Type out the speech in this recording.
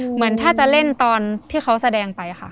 เหมือนถ้าจะเล่นตอนที่เขาแสดงไปค่ะ